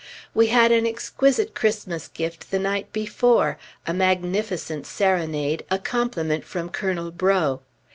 We had an exquisite Christmas gift the night before, a magnificent serenade, a compliment from Colonel Breaux.